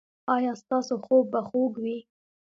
ایا ستاسو خوب به خوږ وي؟